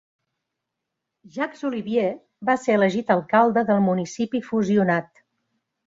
Jacques Olivier va ser elegit alcalde del municipi fusionat.